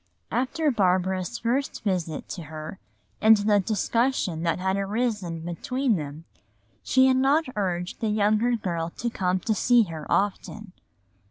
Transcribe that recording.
After Barbara's first visit to her and the discussion that had arisen between them, she had not urged the younger girl to come to see her often.